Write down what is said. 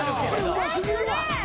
うま過ぎるわ。